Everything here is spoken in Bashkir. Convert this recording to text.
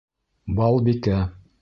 Балбикә